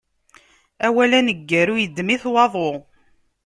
Awal aneggaru iddem-it waḍu.